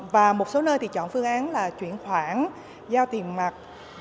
và một số nơi thì chọn phương án là chuyển khoản giao tiền mặt